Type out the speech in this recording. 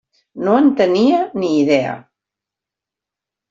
No en tenia ni idea.